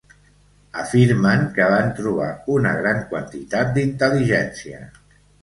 Afirmen que van trobar una gran quantitat d'intel·ligència.